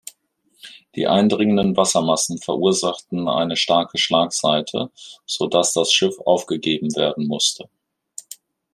Die eindringenden Wassermassen verursachten eine starke Schlagseite, so dass das Schiff aufgegeben werden musste.